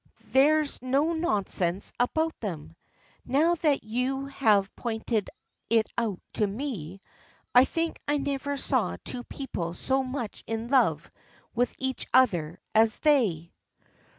There's no nonsense about them. Now that you have pointed it out to me, I think I never saw two people so much in love with each other as they."